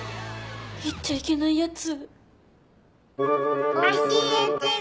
言っちゃいけないやつ。